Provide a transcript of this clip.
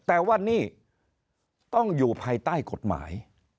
แต่ว่านี่ต้องอยู่ภายใต้กฎหมาย